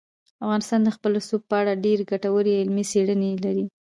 افغانستان د خپل رسوب په اړه ډېرې ګټورې علمي څېړنې لري.